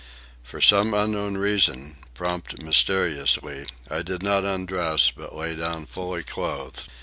For some unknown reason, prompted mysteriously, I did not undress, but lay down fully clothed.